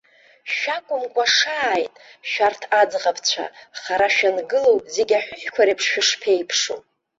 Шәакәымкәа шааит, шәарҭ аӡӷабцәа, хара шәангылоу зегь аҳәыҳәқәа реиԥш шәышԥеиԥшу!